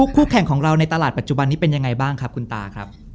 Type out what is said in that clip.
คู่แข่งของเราในตลาดปัจจุบันนี้เป็นยังไงบ้างครับคุณตาครับ